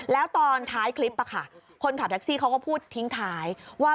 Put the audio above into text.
แล้วตอนท้ายคลิปคนขับแท็กซี่เขาก็พูดทิ้งท้ายว่า